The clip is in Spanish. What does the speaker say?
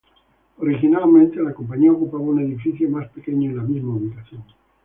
Originalmente, la compañía ocupaba un edificio más pequeño, en la misma ubicación.